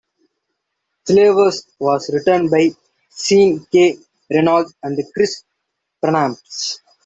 "Slavers" was written by Sean K. Reynolds and Chris Pramas.